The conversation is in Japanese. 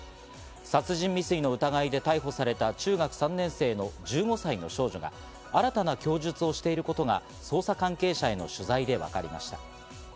殺人未遂の疑いで逮捕された中学３年生の１５歳の少女が新たな供述をしていることが捜査関係者への取材でわかりました。